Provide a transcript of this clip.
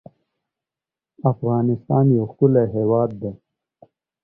افغانستان يو ښکلی هېواد دی